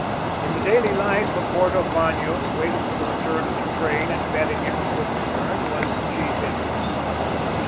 In the daily life of Porto Banos, waiting for the return of the train, and betting if it would return, was the chief interest.